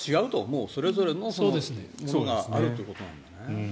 もうそれぞれのものがあるということなんだね。